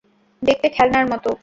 দেখতে খেলনার মতো।